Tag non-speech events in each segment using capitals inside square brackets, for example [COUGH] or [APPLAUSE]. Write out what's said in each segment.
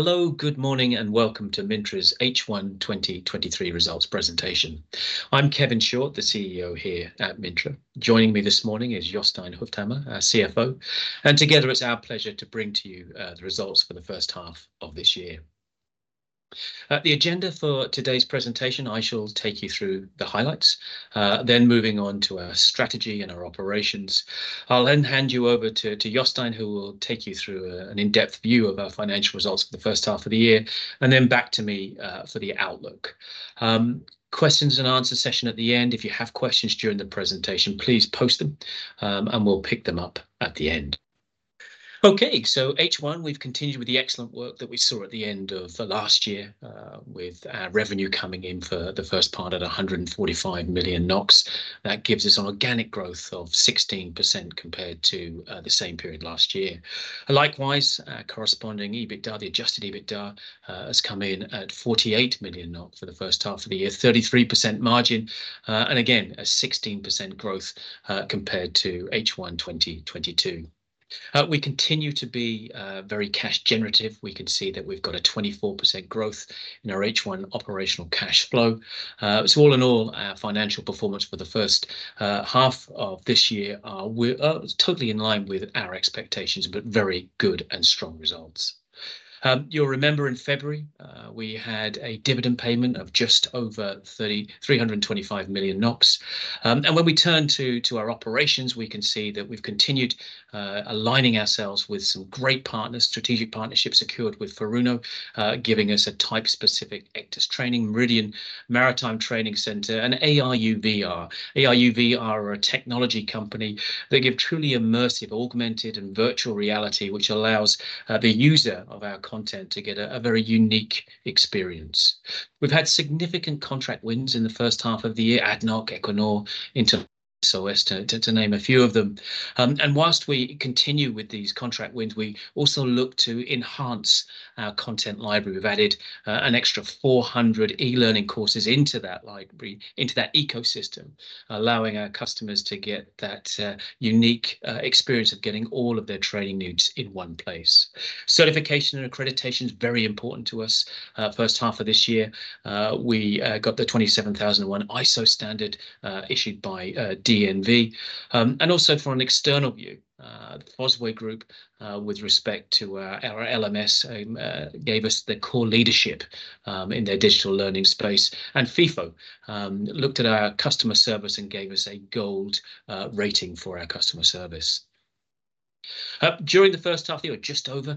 Hello, good morning, and welcome to MINTRA's H1 2023 results presentation. I'm Kevin Short, the CEO here at MINTRA. Joining me this morning is Jostein Hufthammer, our CFO, together it's our pleasure to bring to you, the results for the first half of this year. The agenda for today's presentation, I shall take you through the highlights. Moving on to our strategy and our operations. I'll then hand you over to, to Jostein, who will take you through a, an in-depth view of our financial results for the first half of the year, and then back to me, for the outlook. Questions and answer session at the end. If you have questions during the presentation, please post them, and we'll pick them up at the end. Okay. H1, we've continued with the excellent work that we saw at the end of the last year with our revenue coming in for the first part at 145 million NOK. That gives us an organic growth of 16% compared to the same period last year. Likewise, corresponding EBITDA, the adjusted EBITDA, has come in at 48 million for the first half of the year, 33% margin. Again, a 16% growth compared to H1 2022. We continue to be very cash generative. We can see that we've got a 24% growth in our H1 operational cash flow. All in all, our financial performance for the first half of this year are totally in line with our expectations, but very good and strong results. You'll remember in February, we had a dividend payment of just over 325 million NOK. When we turn to, to our operations, we can see that we've continued aligning ourselves with some great partners, strategic partnerships secured with Furuno, giving us a type-specific ECDIS training, Meridian Maritime Training Centre, and ARuVR. ARuVR are a technology company. They give truly immersive, augmented, and virtual reality, which allows the user of our content to get a very unique experience. We've had significant contract wins in the first half of the year: ADNOC, Equinor, Inter SOS, to name a few of them. And whilst we continue with these contract wins, we also look to enhance our content library. We've added an extra 400 eLearning courses into that library, into that ecosystem, allowing our customers to get that unique experience of getting all of their training needs in one place. Certification and accreditation is very important to us. First half of this year, we got the 27001 ISO standard issued by DNV. Also from an external view, Fosway Group, with respect to our LMS, gave us the Core Leadership in their digital learning space. Feefo looked at our customer service and gave us a gold rating for our customer service. During the first half of the year, just over,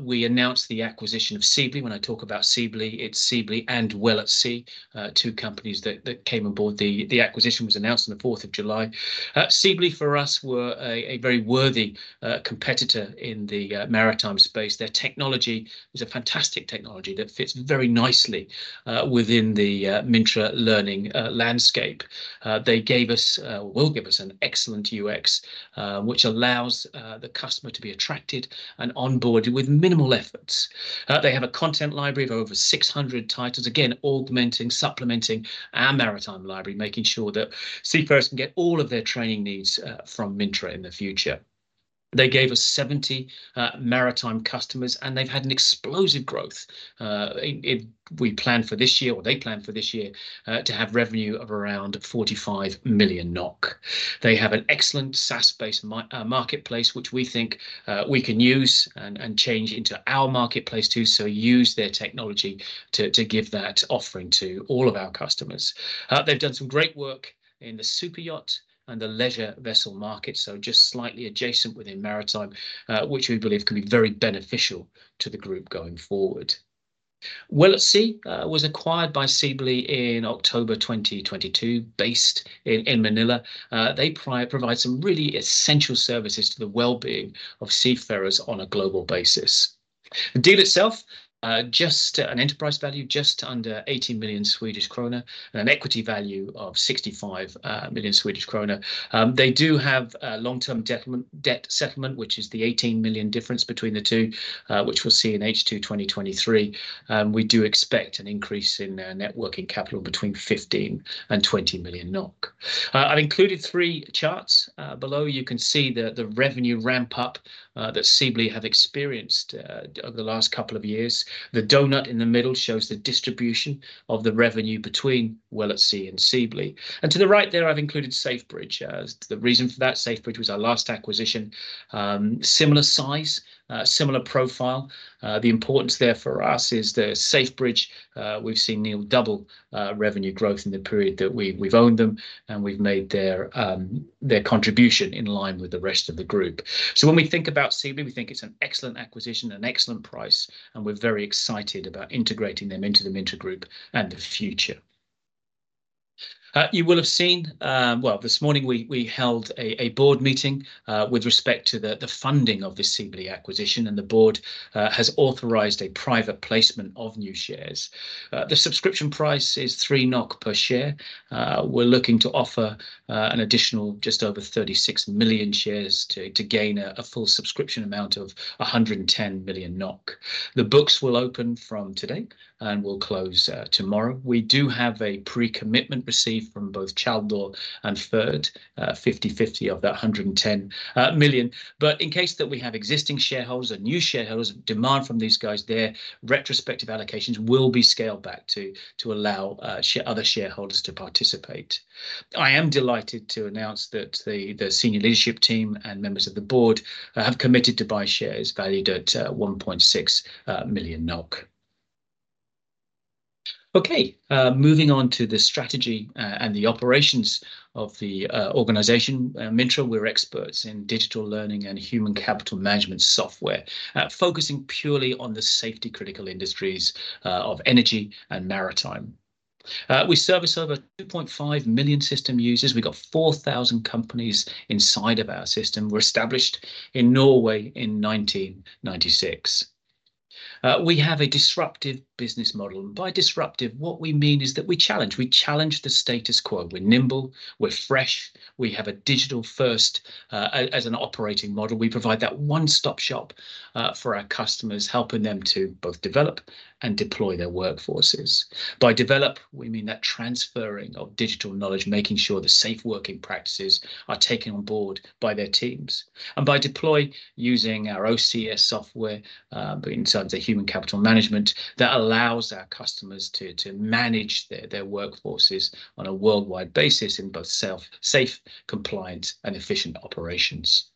we announced the acquisition of Seably. When I talk about Seably, it's Seably and WellAtSea, two companies that came on board. The acquisition was announced on the 4th of July. Seably, for us, were a very worthy competitor in the maritime space. Their technology is a fantastic technology that fits very nicely within the MINTRA learning landscape. They gave us, well, give us an excellent UX, which allows the customer to be attracted and onboarded with minimal efforts. They have a content library of over 600 titles, again, augmenting, supplementing our maritime library, making sure that seafarers can get all of their training needs from MINTRA in the future. They gave us 70 maritime customers, and they've had an explosive growth. We planned for this year, or they planned for this year, to have revenue of around 45 million NOK. They have an excellent SaaS-based marketplace, which we think we can use and change into our marketplace too, so use their technology to give that offering to all of our customers. They've done some great work in the superyacht and the leisure vessel market, so just slightly adjacent within maritime, which we believe can be very beneficial to the group going forward. WellAtSea was acquired by Seably in October 2022, based in Manila. They provide some really essential services to the wellbeing of seafarers on a global basis. The deal itself, just an enterprise value, just under 18 million Swedish kronor, and an equity value of 65 million Swedish kronor. They do have a long-term debt settlement, which is the 18 million difference between the two, which we'll see in H2 2023. We do expect an increase in their net working capital between 15 million and 20 million NOK. I've included three charts. Below you can see the, the revenue ramp-up that Seably have experienced over the last couple of years. The donut in the middle shows the distribution of the revenue between WellAtSea and Seably. To the right there, I've included Safebridge. The reason for that, Safebridge was our last acquisition. Similar size, similar profile. The importance there for us is that Safebridge, we've seen near double revenue growth in the period that we've owned them, and we've made their contribution in line with the rest of the group. When we think about Seably, we think it's an excellent acquisition, an excellent price, and we're very excited about integrating them into the MINTRA Group and the future. You will have seen, well, this morning, we held a Board meeting with respect to the funding of the Seably acquisition, and the Board has authorized a private placement of new shares. The subscription price is 3 NOK per share. We're looking to offer an additional just over 36 million shares to gain a full subscription amount of 110 million NOK. The books will open from today and will close tomorrow. We do have a pre-commitment received from both Tjaldur and Ferd, 50/50 of that 110 million. In case that we have existing shareholders or new shareholders demand from these guys, their retrospective allocations will be scaled back to, to allow other shareholders to participate. I am delighted to announce that the senior leadership team and members of the Board have committed to buy shares valued at 1.6 million NOK. Moving on to the strategy and the operations of the organization. At MINTRA, we're experts in digital learning and human capital management software, focusing purely on the safety-critical industries of energy and maritime. We service over 2.5 million system users. We've got 4,000 companies inside of our system. We're established in Norway in 1996. We have a disruptive business model, and by disruptive, what we mean is that we challenge, we challenge the status quo. We're nimble, we're fresh, we have a digital-first as an operating model. We provide that one-stop shop for our customers, helping them to both develop and deploy their workforces. By develop, we mean that transferring of digital knowledge, making sure the safe working practices are taken on board by their teams. By deploy, using our OCS software, inside the human capital management, that allows our customers to manage their workforces on a worldwide basis in both safe, compliant, and efficient operations.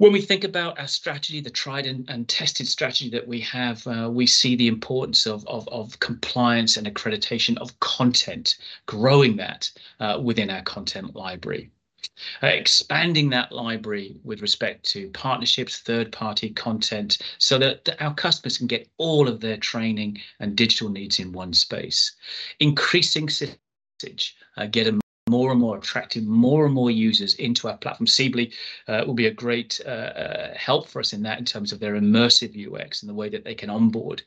When we think about our strategy, the tried and tested strategy that we have, we see the importance of compliance and accreditation of content, growing that within our content library. Expanding that library with respect to partnerships, third-party content, so that our customers can get all of their training and digital needs in one space. Increasing usage, getting more and more attractive, more and more users into our platform. Seably will be a great help for us in that in terms of their immersive UX and the way that they can onboard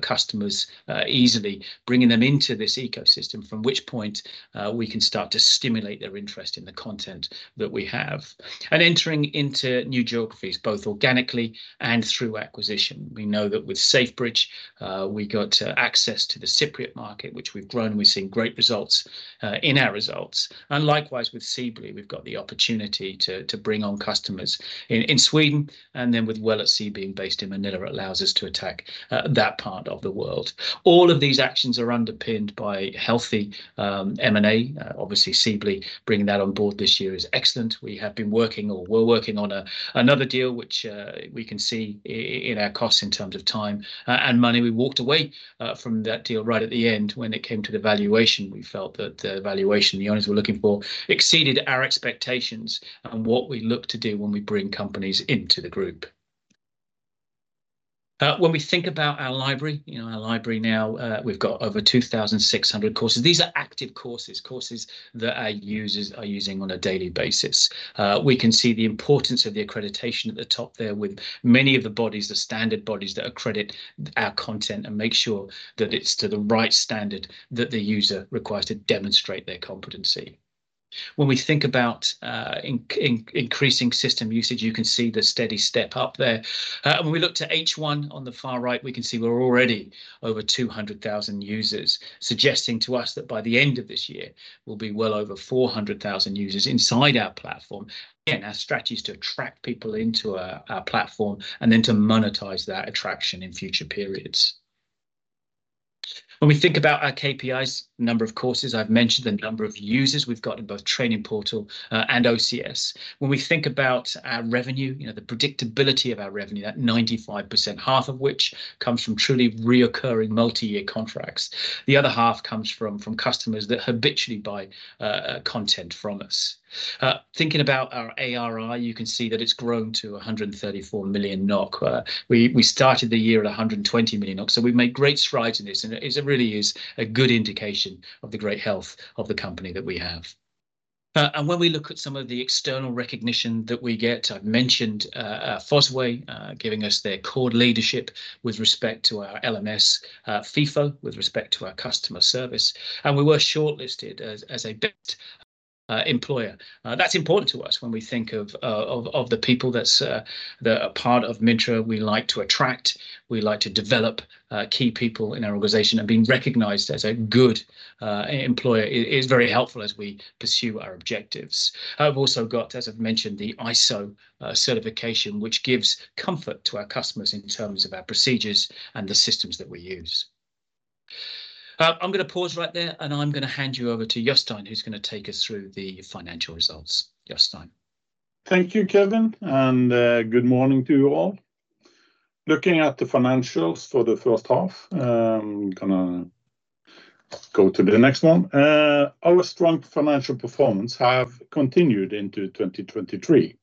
customers easily, bringing them into this ecosystem, from which point we can start to stimulate their interest in the content that we have. Entering into new geographies, both organically and through acquisition. We know that with Safebridge we got access to the Cypriot market, which we've grown, and we've seen great results in our results. Likewise, with Seably, we've got the opportunity to, to bring on customers in, in Sweden, and then with WellAtSea being based in Manila, it allows us to attack that part of the world. All of these actions are underpinned by healthy M&A. Obviously, Seably, bringing that on board this year is excellent. We have been working, or we're working on another deal which we can see in our costs in terms of time and money. We walked away from that deal right at the end when it came to the valuation. We felt that the valuation the owners were looking for exceeded our expectations and what we look to do when we bring companies into the group. When we think about our library, you know, our library now, we've got over 2,600 courses. These are active courses, courses that our users are using on a daily basis. We can see the importance of the accreditation at the top there with many of the bodies, the standard bodies, that accredit our content and make sure that it's to the right standard that the user requires to demonstrate their competency. When we think about increasing system usage, you can see the steady step up there. When we look to H1 on the far right, we can see we're already over 200,000 users, suggesting to us that by the end of this year, we'll be well over 400,000 users inside our platform. Again, our strategy is to attract people into our, our platform and then to monetize that attraction in future periods. When we think about our KPIs, number of courses, I've mentioned the number of users we've got in both training portal and OCS. When we think about our revenue, you know, the predictability of our revenue, that 95%, half of which comes from truly reoccurring multi-year contracts. The other half comes from customers that habitually buy content from us. Thinking about our ARR, you can see that it's grown to 134 million NOK. We started the year at 120 million NOK, so we've made great strides in this, and it's, it really is a good indication of the great health of the company that we have. When we look at some of the external recognition that we get, I've mentioned Fosway, giving us their Core Leadership with respect to our LMS. Feefo, with respect to our customer service, and we were shortlisted as, as a best employer. That's important to us when we think of, of the people that's that are part of MINTRA. We like to attract, we like to develop, key people in our organization, and being recognized as a good employer is very helpful as we pursue our objectives. I've also got, as I've mentioned, the ISO certification, which gives comfort to our customers in terms of our procedures and the systems that we use. I'm gonna pause right there, and I'm gonna hand you over to Jostein, who's gonna take us through the financial results. Jostein? Thank you, Kevin, good morning to you all. Looking at the financials for the first half, gonna go to the next one. Our strong financial performance have continued into 2023.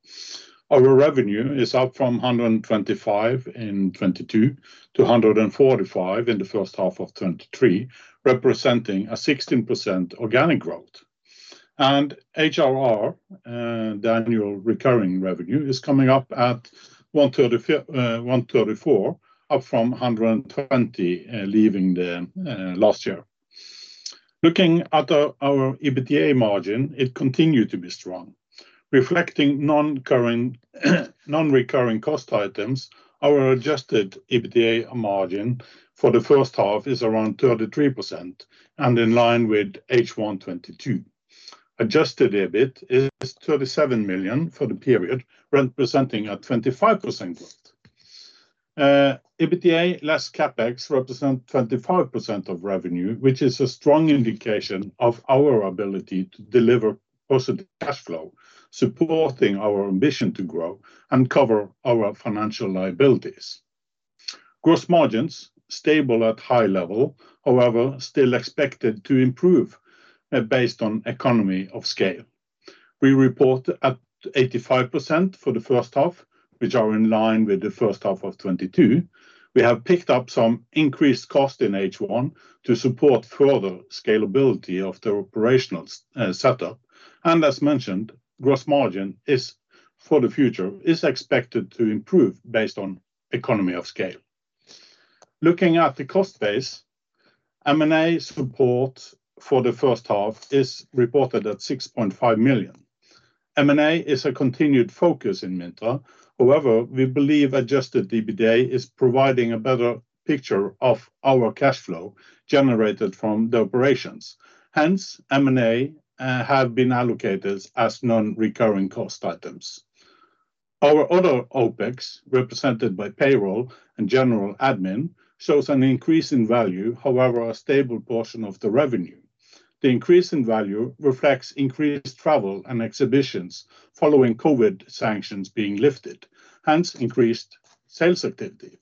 Our revenue is up from 125 million in 2022 to 145 million in the first half of 2023, representing a 16% organic growth. ARR, the annual recurring revenue, is coming up at 134 million, up from 120 million leaving the last year. Looking at our, our EBITDA margin, it continued to be strong. Reflecting non-current, non-recurring cost items, our adjusted EBITDA margin for the first half is around 33% and in line with H1 2022. Adjusted EBIT is 37 million for the period, representing a 25% growth. EBITDA less CapEx represent 25% of revenue, which is a strong indication of our ability to deliver positive cash flow, supporting our ambition to grow and cover our financial liabilities. Gross margins, stable at high level, however, still expected to improve, based on economys of scale. We report at 85% for the first half, which are in line with the first half of 2022. We have picked up some increased cost in H1 to support further scalability of the operational setup. As mentioned, gross margin is, for the future, is expected to improve based on economies of scale. Looking at the cost base, M&A support for the first half is reported at 6.5 million. M&A is a continued focus in MINTRA. However, we believe adjusted EBITDA is providing a better picture of our cash flow generated from the operations, hence, M&A have been allocated as non-recurring cost items. Our other OpEx, represented by payroll and general admin, shows an increase in value, however, a stable portion of the revenue. The increase in value reflects increased travel and exhibitions following COVID sanctions being lifted, hence increased sales activity.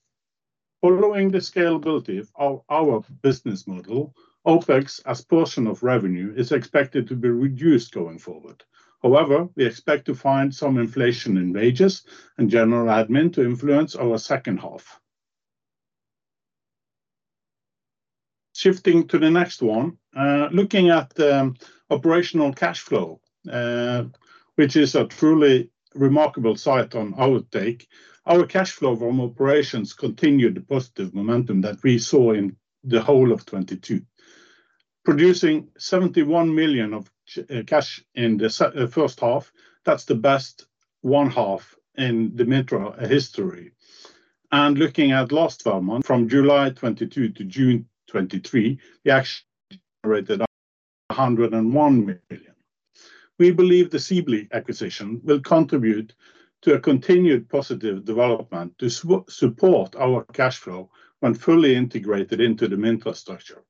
Following the scalability of our business model, OpEx as portion of revenue is expected to be reduced going forward. However, we expect to find some inflation in wages and general admin to influence our second half. Shifting to the next one, looking at the operational cash flow, which is a truly remarkable sight on our take. Our cash flow from operations continued the positive momentum that we saw in the whole of 2022. Producing 71 million of cash in the first half, that's the best 1/2 in the MINTRA history. Looking at last four months, from July 2022 to June 2023, [AUDIO DISTORTION] 101 million. We believe the Seably acquisition will contribute to a continued positive development to support our cash flow when fully integrated into the MINTRA structure.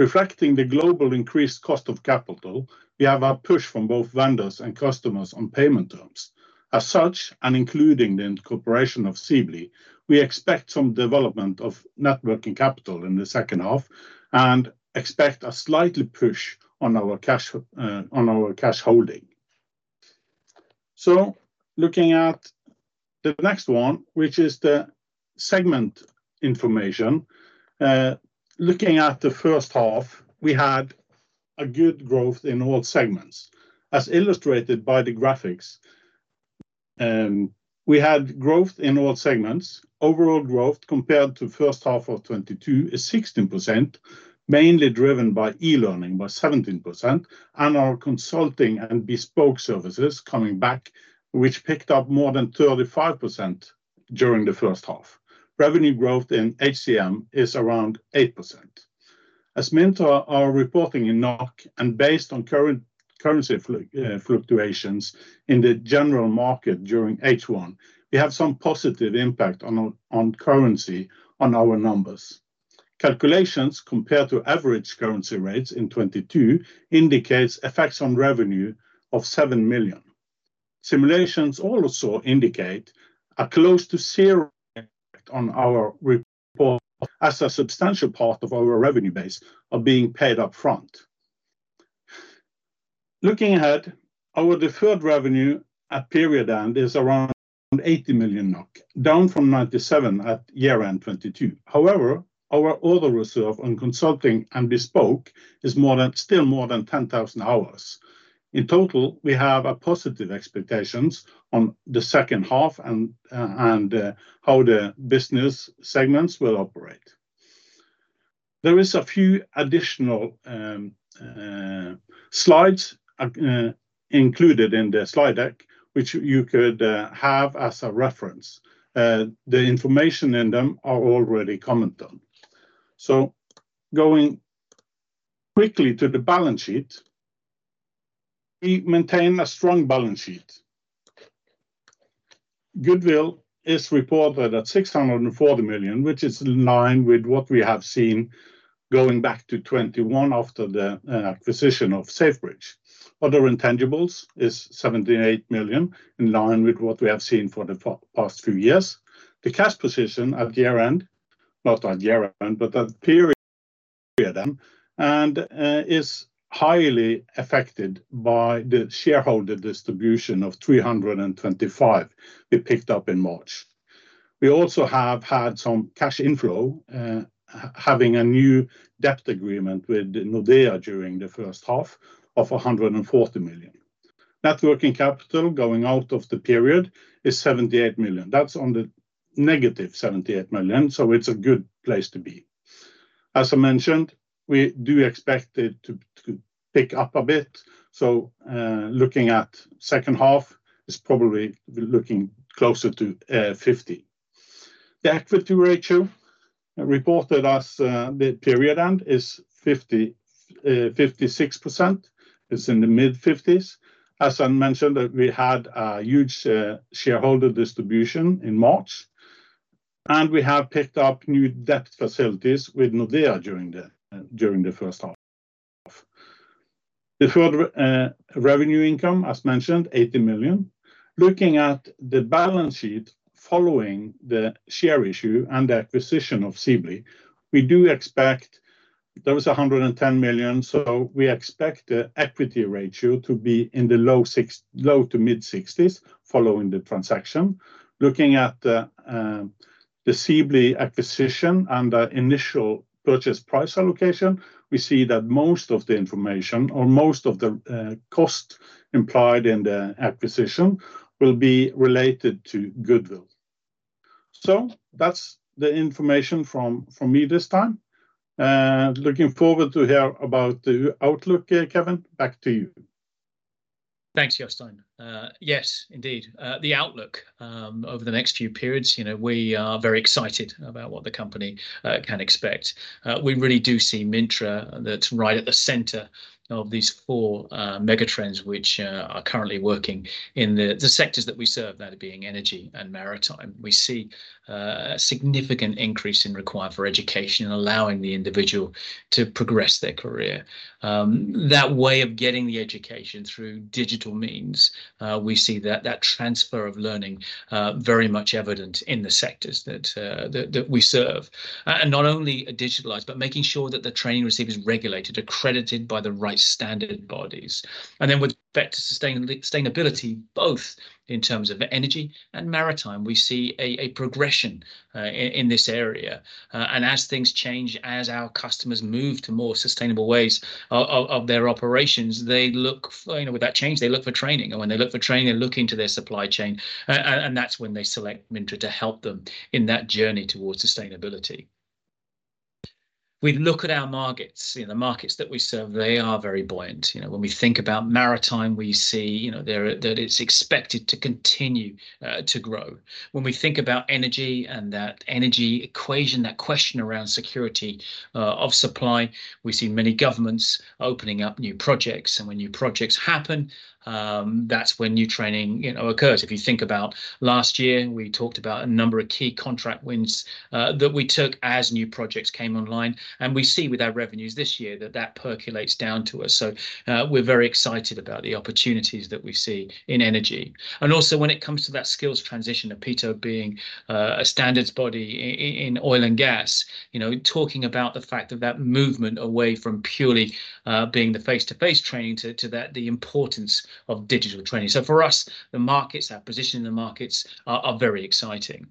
Reflecting the global increased cost of capital, we have a push from both vendors and customers on payment terms. As such, and including the incorporation of Seably, we expect some development of net working capital in the second half and expect a slightly push on our cash, on our cash holding. Looking at the next one, which is the segment information. Looking at the first half, we had a good growth in all segments, as illustrated by the graphics. We had growth in all segments. Overall growth, compared to first half of 2022, is 16%, mainly driven by eLearning, by 17%, and our consulting and bespoke services coming back, which picked up more than 35% during the first half. Revenue growth in HCM is around 8%. As MINTRA are reporting in NOK, and based on current currency flu, fluctuations in the general market during H1, we have some positive impact on, on currency, on our numbers. Calculations compared to average currency rates in 2022 indicates effects on revenue of 7 million. Simulations also indicate a close to zero effect on our report as a substantial part of our revenue base are being paid up front. Looking ahead, our deferred revenue at period end is around 80 million NOK, down from 97 million at year end 2022. However, our order reserve on consulting and bespoke is more than, still more than 10,000 hours. In total, we have a positive expectations on the second half and how the business segments will operate. There is a few additional slides included in the slide deck, which you could have as a reference. The information in them are already commented on. Going quickly to the balance sheet, we maintain a strong balance sheet. Goodwill is reported at 640 million, which is in line with what we have seen going back to 2021 after the acquisition of Safebridge. Other intangibles is 78 million, in line with what we have seen for the past few years. The cash position at year-end, not at year-end, but at period end, is highly affected by the shareholder distribution of 325 million we picked up in March. We also have had some cash inflow, having a new debt agreement with Nordea during the first half of 140 million. Net working capital going out of the period is 78 million. That's on the -78 million, it's a good place to be. As I mentioned, we do expect it to pick up a bit, looking at second half, is probably looking closer to 50 million. The equity ratio reported as the period end is 56%. It's in the mid-50s. As I mentioned, that we had a huge shareholder distribution in March, we have picked up new debt facilities with Nordea during the first half. The third revenue income, as mentioned, 80 million. Looking at the balance sheet following the share issue and the acquisition of Seably, we do expect there was 110 million. So we expect the equity ratio to be in the low 60s to mid-60s following the transaction. Looking at the Seably acquisition and the initial purchase price allocation, we see that most of the information or most of the cost implied in the acquisition will be related to goodwill. That's the information from me this time. Looking forward to hear about the outlook, Kevin. Back to you. Thanks, Jostein. Yes, indeed, the outlook over the next few periods, you know, we are very excited about what the company can expect. We really do see MINTRA that's right at the center of these four megatrends, which are currently working in the, the sectors that we serve, that being energy and maritime. We see a significant increase in requirement for education, allowing the individual to progress their career. That way of getting the education through digital means, we see that, that transfer of learning very much evident in the sectors that, that, that we serve. Not only digitalized, but making sure that the training received is regulated, accredited by the right standard bodies. Then with respect to sustainability, both in terms of energy and maritime, we see a progression in this area. As things change, as our customers move to more sustainable ways of their operations, they look, you know, with that change, they look for training. When they look for training, they look into their supply chain, and that's when they select MINTRA to help them in that journey towards sustainability. We look at our markets, you know, the markets that we serve, they are very buoyant. You know, when we think about maritime, we see, you know, there are... that it's expected to continue to grow. When we think about energy and that energy equation, that question around security of supply, we see many governments opening up new projects. When new projects happen, that's when new training, you know, occurs. If you think about last year, we talked about a number of key contract wins, that we took as new projects came online, and we see with our revenues this year that that percolates down to us. We're very excited about the opportunities that we see in energy. Also, when it comes to that skills transition, Opito being, a standards body in, in oil and gas, you know, talking about the fact of that movement away from purely, being the face-to-face training to, to that, the importance of digital training. For us, the markets, our position in the markets are, are very exciting.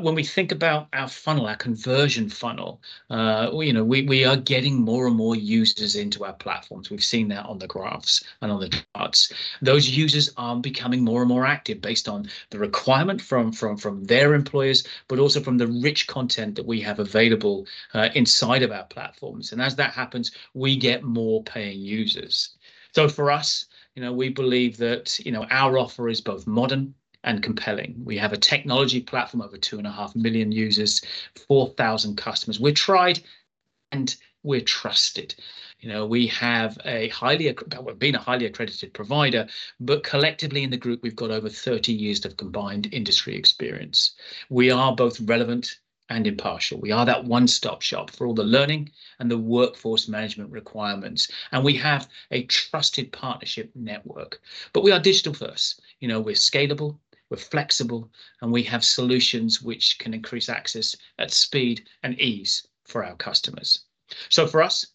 When we think about our funnel, our conversion funnel, you know, we, we are getting more and more users into our platforms. We've seen that on the graphs and on the charts. Those users are becoming more and more active based on the requirement from their employers, but also from the rich content that we have available inside of our platforms. As that happens, we get more paying users. For us, you know, we believe that, you know, our offer is both modern and compelling. We have a technology platform, over 2.5 million users, 4,000 customers. We're tried, and we're trusted. You know, we have been a highly accredited provider, but collectively in the group, we've got over 30 years of combined industry experience. We are both relevant and impartial. We are that one-stop shop for all the learning and the workforce management requirements, and we have a trusted partnership network. We are digital first. You know, we're scalable, we're flexible, and we have solutions which can increase access at speed and ease for our customers. For us,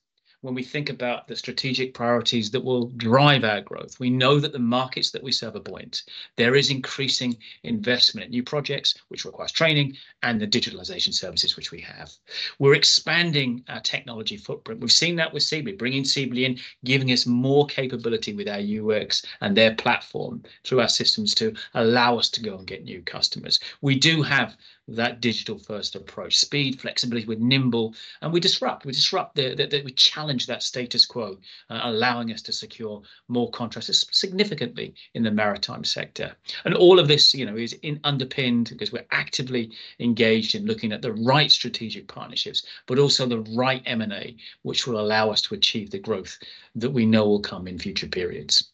when we think about the strategic priorities that will drive our growth, we know that the markets that we serve are buoyant. There is increasing investment, new projects, which requires training and the digitalization services which we have. We're expanding our technology footprint. We've seen that with Seably. Bringing Seably in, giving us more capability with our UX and their platform through our systems to allow us to go and get new customers. We do have that digital-first approach. Speed, flexibility, we're nimble, and we disrupt. We disrupt the. We challenge that status quo, allowing us to secure more contracts significantly in the maritime sector. All of this, you know, is underpinned because we're actively engaged in looking at the right strategic partnerships, but also the right M&A, which will allow us to achieve the growth that we know will come in future periods.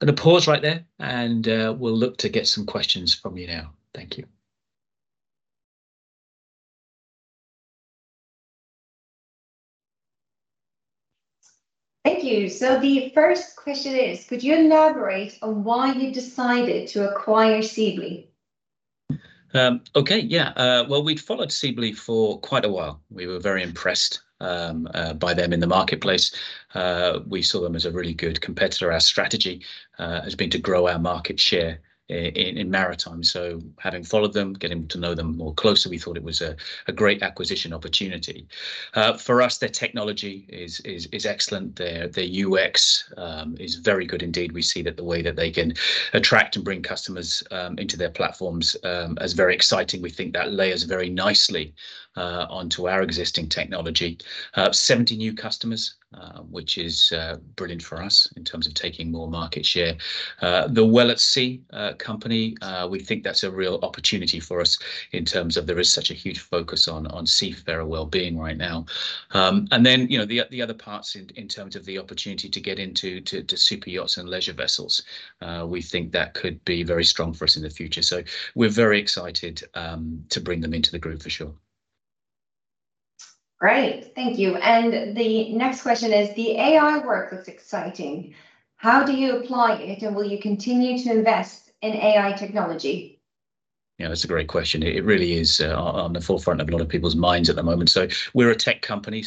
I'm going to pause right there. We'll look to get some questions from you now. Thank you. Thank you. The first question is, could you elaborate on why you decided to acquire Seably? Well, we'd followed Seably for quite a while. We were very impressed by them in the marketplace. We saw them as a really good competitor. Our strategy has been to grow our market share in maritime. Having followed them, getting to know them more closely, we thought it was a great acquisition opportunity. For us, their technology is excellent. Their UX is very good indeed. We see that the way that they can attract and bring customers into their platforms as very exciting. We think that layers very nicely onto our existing technology. 70 new customers, which is brilliant for us in terms of taking more market share. The WellAtSea company, we think that's a real opportunity for us in terms of there is such a huge focus on seafarer wellbeing right now. You know, the other parts in terms of the opportunity to get into super yachts and leisure vessels, we think that could be very strong for us in the future. We're very excited to bring them into the group for sure. Great, thank you. The next question is: The AI work looks exciting, how do you apply it, and will you continue to invest in AI technology? Yeah, that's a great question. It, it really is on the forefront of a lot of people's minds at the moment. We're a tech company,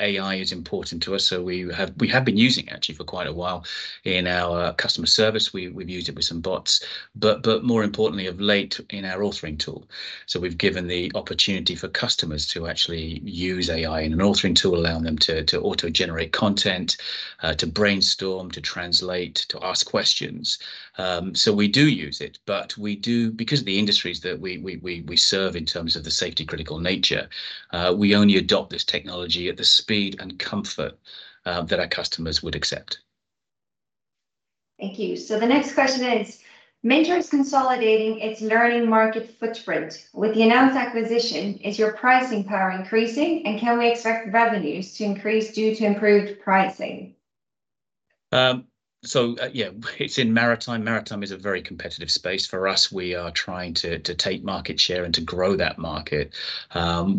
AI is important to us. We have been using it, actually, for quite a while in our customer service. We, we've used it with some bots, but, but more importantly, of late, in our authoring tool. We've given the opportunity for customers to actually use AI in an authoring tool, allowing them to, to auto-generate content, to brainstorm, to translate, to ask questions. We do use it, but because the industries that we, we, we, we serve in terms of the safety critical nature, we only adopt this technology at the speed and comfort that our customers would accept. Thank you. The next question is: MINTRA is consolidating its learning market footprint. With the announced acquisition, is your pricing power increasing, and can we expect revenues to increase due to improved pricing? Yeah, it's in maritime. Maritime is a very competitive space for us. We are trying to, to take market share and to grow that market.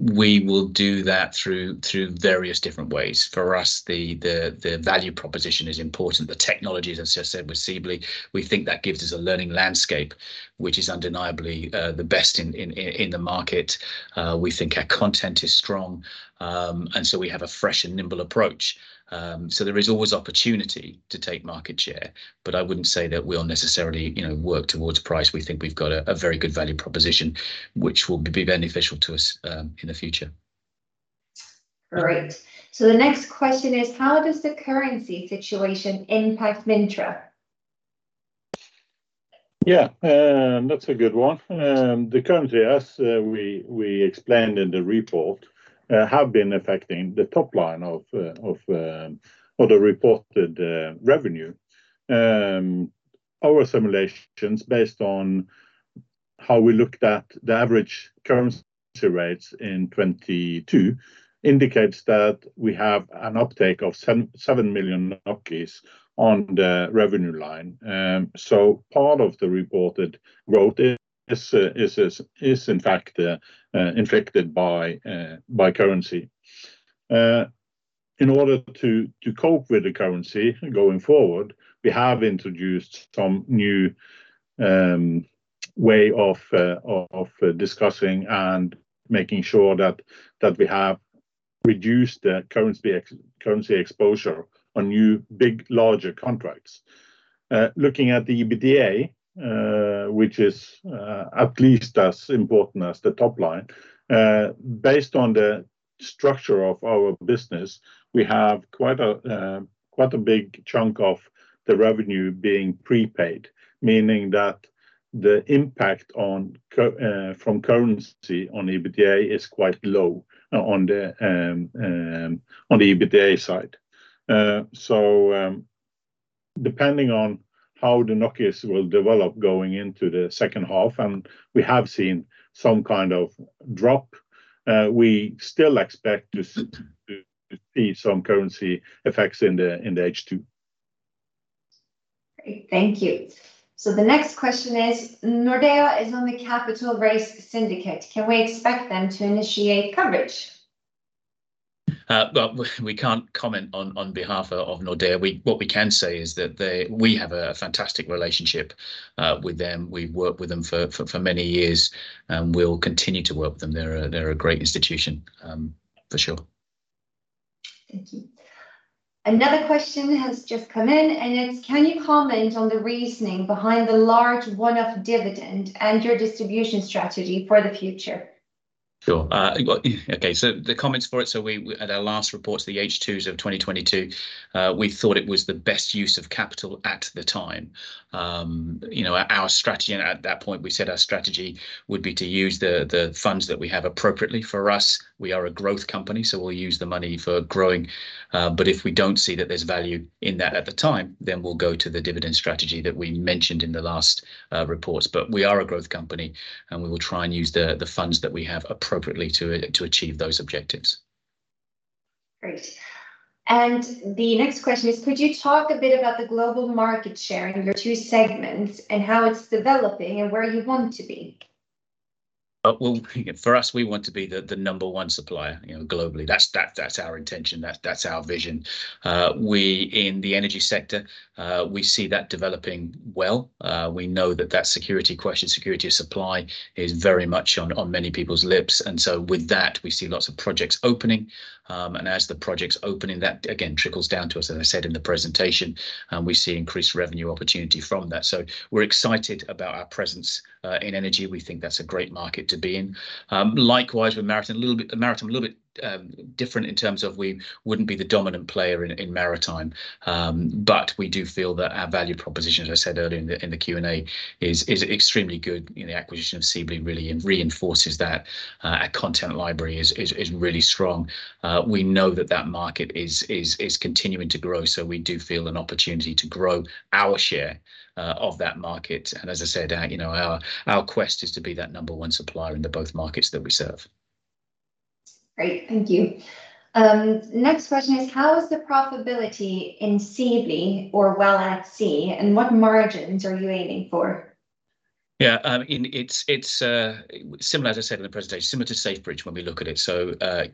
We will do that through, through various different ways. For us, the, the, the value proposition is important. The technologies, as I said with Seably, we think that gives us a learning landscape, which is undeniably the best in, in, in the market. We think our content is strong, and so we have a fresh and nimble approach. There is always opportunity to take market share, but I wouldn't say that we'll necessarily, you know, work towards price. We think we've got a, a very good value proposition, which will be beneficial to us in the future. Great. The next question is: How does the currency situation impact MINTRA? Yeah, that's a good one. The currency, as we explained in the report, have been affecting the top line of the reported revenue. Our simulations, based on how we looked at the average currency rates in 2022, indicates that we have an uptake of 7 million on the revenue line. Part of the reported growth is in fact infected by currency. In order to cope with the currency going forward, we have introduced some new way of discussing and making sure that we have reduced the currency exposure on new, big, larger contracts. Looking at the EBITDA, which is at least as important as the top line, based on the structure of our business, we have quite a quite a big chunk of the revenue being prepaid, meaning that the impact on from currency on EBITDA is quite low on the EBITDA side. Depending on how the NOKs will develop going into the second half, and we have seen some kind of drop, we still expect to see some currency effects in the H2. Great. Thank you. The next question is: Nordea is on the capital raise syndicate. Can we expect them to initiate coverage? Well, we can't comment on, on behalf of Nordea. What we can say is that they. We have a fantastic relationship with them. We've worked with them for, for, for many years, and we'll continue to work with them. They're a, they're a great institution for sure. Thank you. Another question has just come in, and it's: Can you comment on the reasoning behind the large one-off dividend and your distribution strategy for the future? Sure. Well, okay, the comments for it, so we, at our last report, so the H2s of 2022, we thought it was the best use of capital at the time. You know, our, our strategy, at that point, we said our strategy would be to use the, the funds that we have appropriately for us. We are a growth company, so we'll use the money for growing, if we don't see that there's value in that at the time, we'll go to the dividend strategy that we mentioned in the last reports. We are a growth company, we will try and use the, the funds that we have appropriately to, to achieve those objectives. Great. The next question is: Could you talk a bit about the global market share in your two segments, and how it's developing and where you want to be? Well, for us, we want to be the, the number one supplier, you know, globally. That's, that's, that's our intention, that's our vision. We, in the energy sector, we see that developing well. We know that that security question, security of supply, is very much on, on many people's lips, and so with that, we see lots of projects opening, and as the projects open, that again trickles down to us, as I said in the presentation, and we see increased revenue opportunity from that. We're excited about our presence in energy. We think that's a great market to be in. Likewise with maritime, a little bit maritime, a little bit different in terms of we wouldn't be the dominant player in, in maritime. We do feel that our value proposition, as I said earlier in the Q&A, is extremely good, and the acquisition of Seably really reinforces that. Our content library is really strong. We know that that market is continuing to grow, so we do feel an opportunity to grow our share of that market. As I said, you know, our quest is to be that number one supplier in the both markets that we serve. Great. Thank you. Next question is: How is the profitability in Seably or WellAtSea, and what margins are you aiming for? Yeah, it's, it's, similar, as I said in the presentation, similar to Safebridge when we look at it.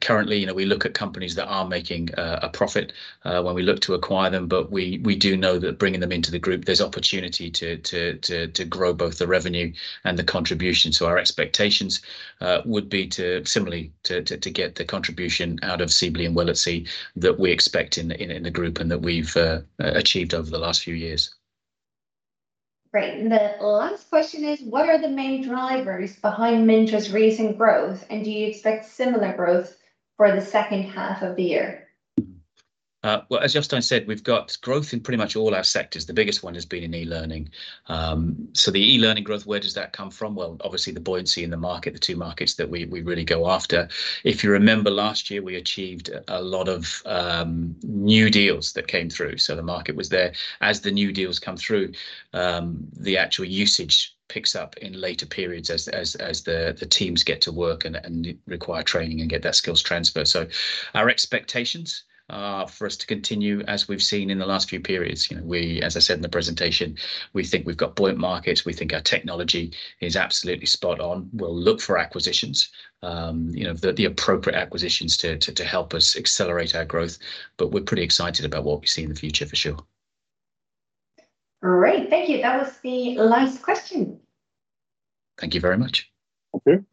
Currently, you know, we look at companies that are making, a profit, when we look to acquire them, but we, we do know that bringing them into the group, there's opportunity to, to, to, to grow both the revenue and the contribution. Our expectations, would be to similarly to, to, to get the contribution out of Seably and WellAtSea that we expect in, in, in the group, and that we've, achieved over the last few years. Great. The last question is: What are the main drivers behind MINTRA recent growth, and do you expect similar growth for the second half of the year? Well, as Jostein said, we've got growth in pretty much all our sectors. The biggest one has been in eLearning. The eLearning growth, where does that come from? Well, obviously, the buoyancy in the market, the two markets that we, we really go after. If you remember last year, we achieved a lot of new deals that came through, so the market was there. As the new deals come through, the actual usage picks up in later periods as the teams get to work and require training and get that skills transfer. Our expectations are for us to continue as we've seen in the last few periods. You know, we, as I said in the presentation, we think we've got buoyant markets. We think our technology is absolutely spot on. We'll look for acquisitions, you know, the appropriate acquisitions to help us accelerate our growth. We're pretty excited about what we see in the future, for sure. Great. Thank you. That was the last question. Thank you very much. Thank you.